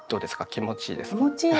気持ちいいです。